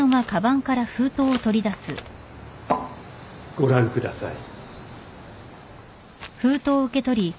ご覧ください。